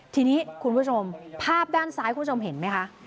ทีนี้คุณผู้ชมภาพด้านซ้ายคุณผู้ชมเห็นไหมคะ